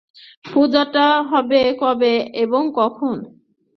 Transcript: পুজোটা হবে কবে এবং কখন?